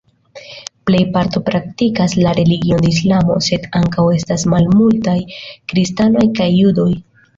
Plej parto praktikas la religion de Islamo, sed ankaŭ estas malmultaj kristanoj kaj judoj.